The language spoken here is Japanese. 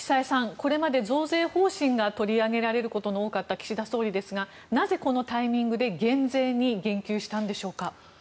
これまで増税方針が取り上げられることが多かった岸田総理ですがなぜこのタイミングで減税に言及したんでしょうか。